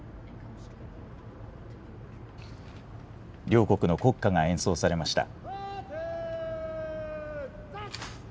両国の国歌が演奏されました。